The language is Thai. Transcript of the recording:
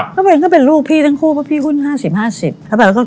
ก็เป็นลูกพี่ทั้งคู่เพราะพี่หุ้น๕๐๕๐